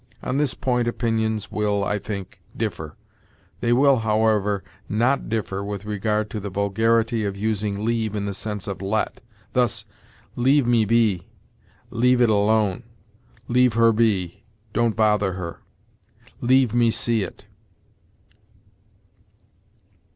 On this point opinions will, I think, differ; they will, however, not differ with regard to the vulgarity of using leave in the sense of let; thus, "Leave me be"; "Leave it alone"; "Leave her be don't bother her"; "Leave me see it."